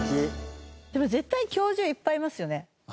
でも絶対教授いっぱいいますよね。